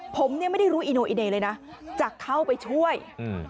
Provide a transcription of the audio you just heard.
ผมเนี่ยไม่ได้รู้อีโนอิเนเลยนะจะเข้าไปช่วยอืม